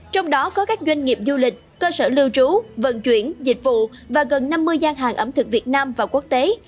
trong đó có các doanh nghiệp du lịch cơ sở lưu trú vận chuyển dịch vụ và gần năm mươi gian hàng ẩm thực việt nam và quốc tế